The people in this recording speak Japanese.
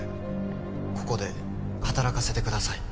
ここで働かせてください。